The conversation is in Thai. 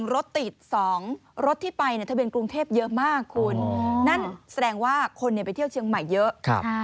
รถติด๒รถที่ไปทะเบียนกรุงเทพเยอะมากคุณนั่นแสดงว่าคนไปเที่ยวเชียงใหม่เยอะ